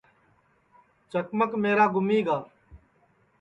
چکمک میرا گُمیگا